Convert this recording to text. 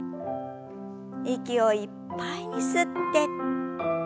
息をいっぱいに吸って。